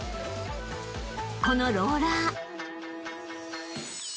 ［このローラー］